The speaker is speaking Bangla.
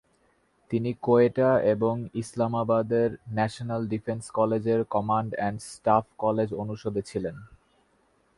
তিনি কোয়েটা এবং ইসলামাবাদের ন্যাশনাল ডিফেন্স কলেজের কমান্ড অ্যান্ড স্টাফ কলেজ অনুষদে ছিলেন।